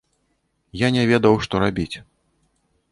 Я не ведаў, што рабіць.